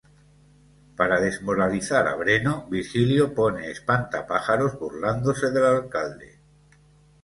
Para desmoralizar a Breno, Virgilio pone espantapájaros burlándose del alcalde.